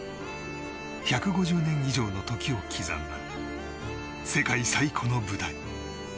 １５０年以上の時を刻んだ世界最古の舞台。